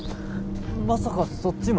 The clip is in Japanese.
まさかそっちも？